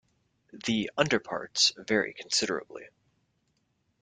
The underparts vary considerably.